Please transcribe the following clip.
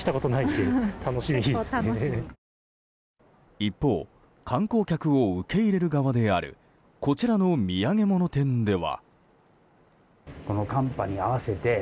一方観光客を受け入れる側であるこちらの土産物店では。